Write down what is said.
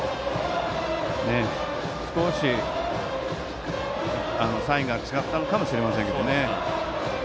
少しサインが違ったのかもしれませんね。